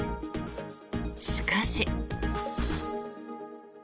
しかし。